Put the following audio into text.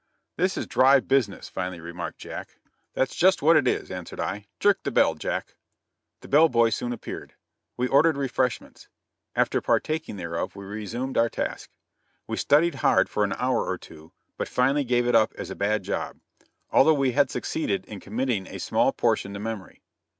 "This is dry business," finally remarked Jack. "That's just what it is," I answered; "jerk the bell, Jack." The bell boy soon appeared. We ordered refreshments; after partaking thereof we resumed our task. We studied hard for an hour or two, but finally gave it up as a bad job, although we had succeeded in committing a small portion to memory.